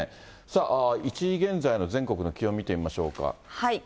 さあ、１時現在の全国の気温、見てみましょうか。